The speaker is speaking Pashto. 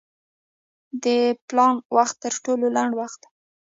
د پلانک وخت تر ټولو لنډ وخت دی.